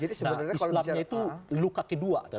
islam itu luka kedua